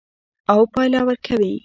او پایله ورکوي.